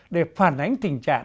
để phản ánh tình trạng